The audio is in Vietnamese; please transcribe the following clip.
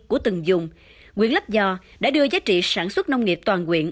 của từng dùng quyền lắp giò đã đưa giá trị sản xuất nông nghiệp toàn quyện